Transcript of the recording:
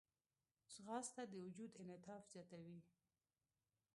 ځغاسته د وجود انعطاف زیاتوي